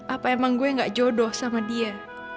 apa emang gue gak jodoh sama dia